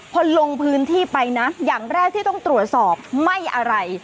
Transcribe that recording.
พอลงพื้นที่ไปนะอย่างแรกที่ต้องตรวจสอบไม่อะไร